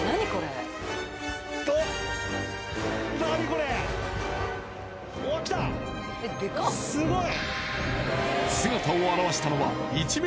これおおきたすごい！